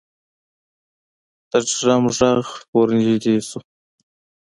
د ډرم غږ ورنږدې شو.